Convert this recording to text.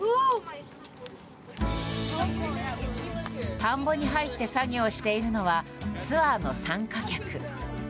田んぼに入って作業しているのはツアーの傘下客。